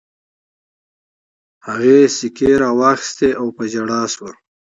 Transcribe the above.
هغې سيکې را واخيستې او په ژړا شوه.